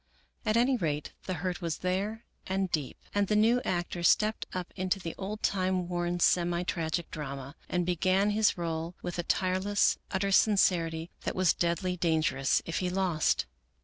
At any rate the hurt was there and deep, and the new actor stepped up into the old time worn, semi tragic drama, and began his role with a tireless, utter sincerity that was deadly dangerous if he lost.